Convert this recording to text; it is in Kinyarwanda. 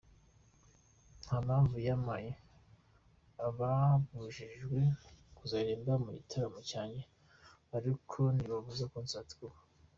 Ntampamvu bampaye ibabujije kuzaririmba mu gitaramo cyanjye, ariko ntibabuza concert kuba.